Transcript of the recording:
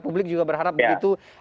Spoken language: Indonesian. publik juga berharap begitu